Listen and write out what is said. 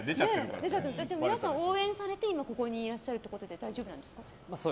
皆さん応援されてここにいらっしゃるということで大丈夫なんですか？